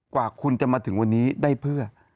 กว่าคุณจะมาถึงวันนี้ได้เพื่อ